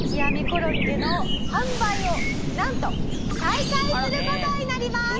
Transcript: コロッケの販売をなんと再開する事になります！